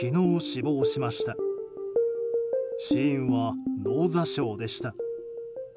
死因は脳挫傷でした。